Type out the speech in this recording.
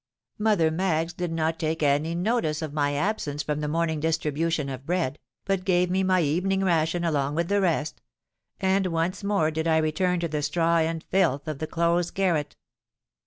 Mother Maggs did not take any notice of my absence from the morning distribution of bread, but gave me my evening ration along with the rest; and once more did I return to the straw and filth of the close garret.